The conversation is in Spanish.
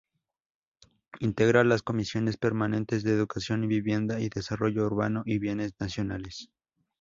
Integra las comisiones permanentes de Educación; y Vivienda y Desarrollo Urbano y Bienes Nacionales.